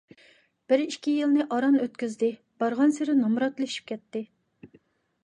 بىر - ئىككى يىلنى ئاران ئۆتكۈزدى، بارغانسېرى نامراتلىشىپ كەتتى.